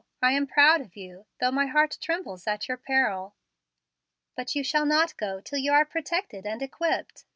I am proud of you, though my heart trembles at your peril. But you shall not go till you are protected and equipped.